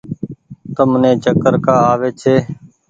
تم ني چڪر ڪآ آوي ڇي۔